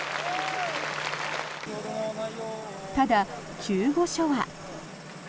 ただ救護所は。